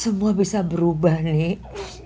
semua bisa berubah nih